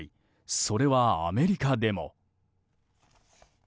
それは、アメリカでも。